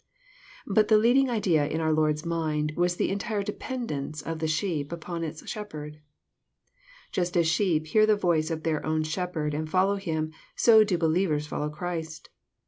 But the leading idea in our Lord's mind was the entire dependence of the sheep upon its Shepherd. Just as sheep hear the voice of their own shepherd, and follow him, so do believers follow Christ.